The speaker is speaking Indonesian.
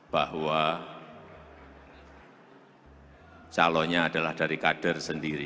bahwa calonnya adalah dari kader sendiri